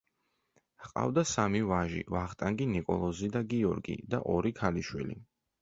ჰყავდა სამი ვაჟი: ვახტანგი, ნიკოლოზი და გიორგი და ორი ქალიშვილი.